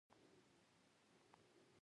دغه لوی شرکتونه عامه هوساینې لپاره خطرناک دي.